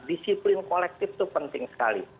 disiplin kolektif itu penting sekali